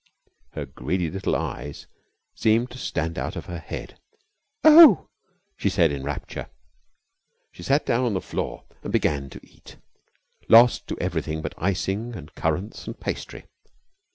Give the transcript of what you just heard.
Her greedy little eyes seemed to stand out of her head. "Oo!" she said in rapture. She sat down on the floor and began to eat, lost to everything but icing and currants and pastry.